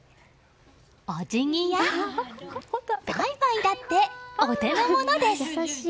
おじぎやバイバイだってお手の物です。